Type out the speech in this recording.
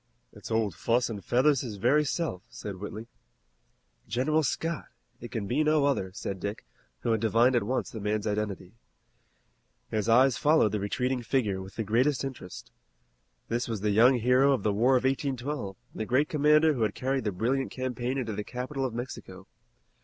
"It's Old Fuss and Feathers his very self," said Whitley. "General Scott. It can be no other," said Dick, who had divined at once the man's identity. His eyes followed the retreating figure with the greatest interest. This was the young hero of the War of 1812 and the great commander who had carried the brilliant campaign into the capital of Mexico.